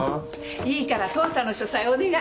いいから父さんの書斎お願い。